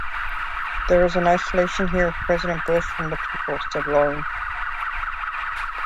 "There is an isolation here of President Bush from the people," said Lourey.